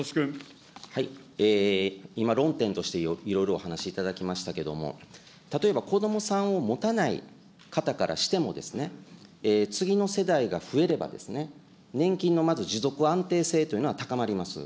今、論点としていろいろお話しいただきましたけれども、例えば子どもさんを持たない方からしても、次の世代が増えればですね、年金のまず持続安定性というのは高まります。